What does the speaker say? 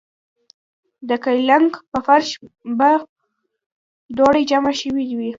د کلینک پۀ فرش به دوړې جمع شوې وې ـ